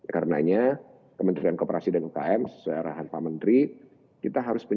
karenanya kementerian koperasi dan umkm sesuai arahan pak menteri